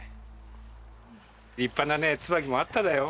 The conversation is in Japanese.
立派なねツバキもあっただよ。